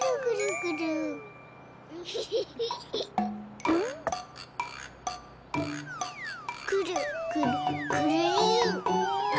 くるくるくるりん。